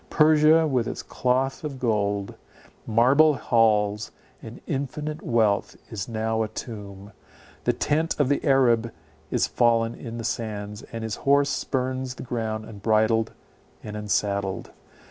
Persia, with its cloth of gold, marble halls, and infinite wealth, is now a tomb. The tent of the Arab is fallen in the sands, and his horse spurns the ground unbridled and unsaddled.